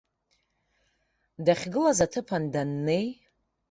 Дахьгылаз аҭыԥан даннеи.